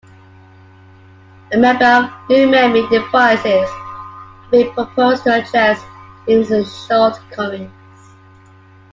A number of new memory devices have been proposed to address these shortcomings.